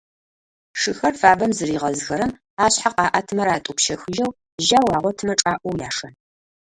Шыхэр фабэм зыригъэзхэрэм, ашъхьэ къаӏэтымэ ратӏупщэхыжьэу, жьау агъотымэ чӏаӏоу яшэн.